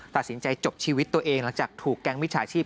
ตัดสินใจจบชีวิตตัวเองหลังจากถูกแก๊งมิจฉาชีพ